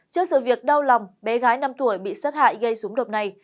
trước sự việc đau lòng bé gái năm tuổi bị sát hại gây súng độc này